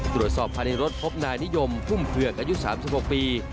ตรวจสอบภายในรถพบนายนิยมพุ่มเผือกอายุ๓๖ปี